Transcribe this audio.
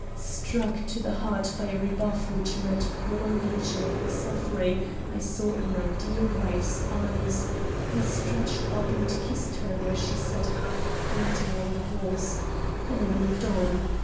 "Struck to the heart by a rebuff which meant prolongation of the suffering I saw in my dear wife's eyes, I stretched up and kissed her where she sat half fainting on the horse; then I moved on.